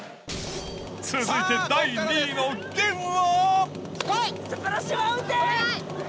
続いて第２位の銀は。